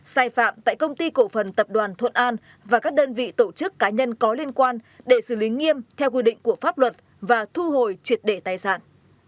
sai phạm tại công ty cổ phần tập đoàn thuận an và các đơn vị tổ chức cá nhân có liên quan để xử lý nghiêm theo quy định của pháp luật và thu hồi triệt để tài sản